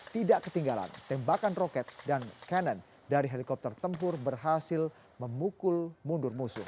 tidak ketinggalan tembakan roket dan canon dari helikopter tempur berhasil memukul mundur musuh